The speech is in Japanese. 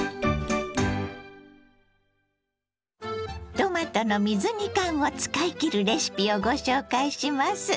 トマトの水煮缶を使いきるレシピをご紹介します。